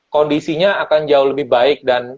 kondisinya akan jauh lebih baik dan